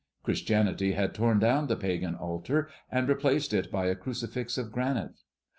Christianity had torn down the Pagan altar and replaced it by a crucifix of granite.